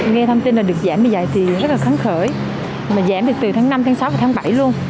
nghe thông tin là được giảm giá tiền rất là kháng khởi mà giảm từ tháng năm tháng sáu và tháng bảy luôn